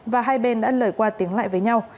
và hai bên đã lời qua tiếng lại với nhau